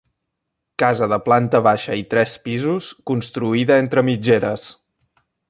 Casa de planta baixa i tres pisos construïda entre mitgeres.